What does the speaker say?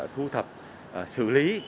thu thập xử lý